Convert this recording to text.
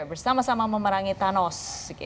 bersama sama memerangi thanos